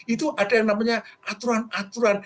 itu ada yang namanya aturan aturan